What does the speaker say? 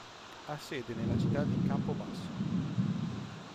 Ha sede nella città di Campobasso.